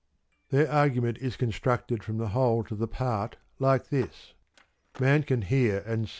4. Their argument is constructed from the whole to the part like this : Man can hear and 3.